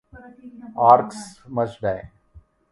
Orcs Must Die!